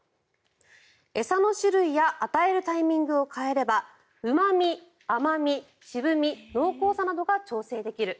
餌の種類や与えるタイミングを変えればうま味、甘味、渋味濃厚さなどが調整できる。